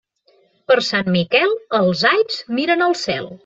Per Sant Miquel, els alls miren al cel.